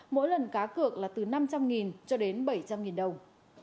mỗi lần cá cược là từ năm trăm linh cho đến bảy trăm linh đồng